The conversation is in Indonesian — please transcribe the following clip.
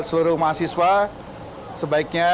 seluruh mahasiswa sebaiknya